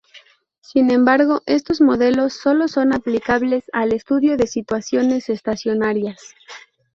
Sin embargo estos modelos solo son aplicables al estudio de situaciones estacionarias.